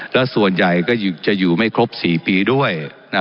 แล้วส่วนใหญ่ก็จะอยู่ไม่ครบ๔ปีด้วย